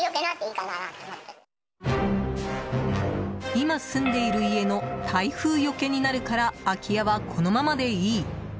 今住んでいる家の台風よけになるから空き家はこのままで良い。